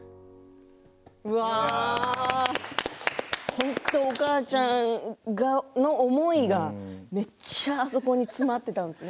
本当、お母ちゃんの思いがめっちゃあそこに詰まっていたんですね。